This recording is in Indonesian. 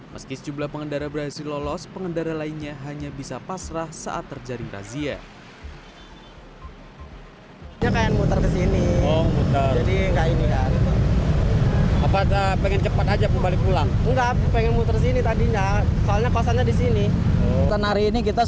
meski sejumlah pengendara berhasil lolos pengendara lainnya hanya bisa pasrah saat terjaring razia